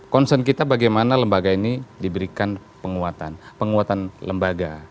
concern kita bagaimana lembaga ini diberikan penguatan penguatan lembaga